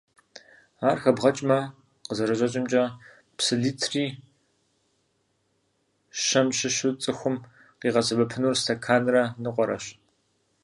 Ар хэбгъэкӀмэ, къызэрыщӀэкӀымкӀэ, псы литри щэм щыщу цӀыхум къигъэсэбэпыфынур стэканрэ ныкъуэрэщ.